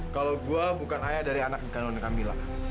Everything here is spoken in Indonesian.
kalau gue bukan ayah dari anak yang dikandung kami lah